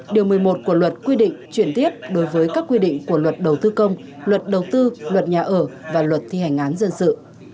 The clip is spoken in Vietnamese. điều một mươi một của luật quy định chuyển tiếp đối với các quy định của luật đầu tư công luật đầu tư luật nhà ở và luật thi hành án dân sự